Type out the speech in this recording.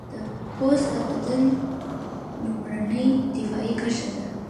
پوست د بدن لومړنۍ دفاعي کرښه ده.